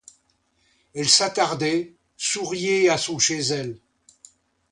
Elle s'attardait, souriait à son chez elle.